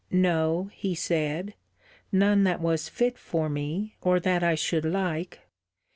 No, he said: none that was fit for me, or that I should like.